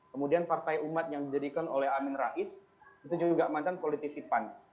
kemudian partai umat yang didirikan oleh amin rais itu juga mantan politisi pan